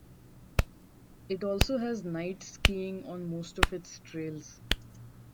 It also has night-skiing on most of its trails.